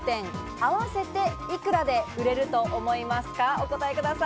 合わせて幾らで売れると思いますか？